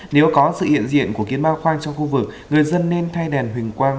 nếu có sự hiện diện của kiến bao khoang trong khu vực người dân nên thay đèn huỳnh quang